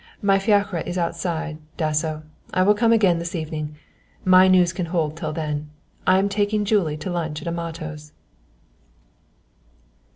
My fiacre is outside, Dasso; I will come again this evening. My news can hold till then; I am taking Julie to lunch at Amato's."